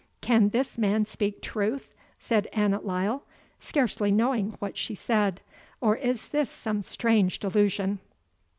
"Can this man speak truth?" said Annot Lyle, scarce knowing what she said; "or is this some strange delusion?"